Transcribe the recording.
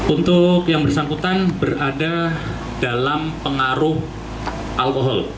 untuk yang bersangkutan berada dalam pengaruh alkohol